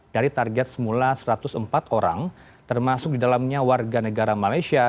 dari target semula satu ratus empat orang termasuk di dalamnya warga negara malaysia